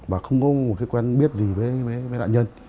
và không có một cái quen biết gì với nạn nhân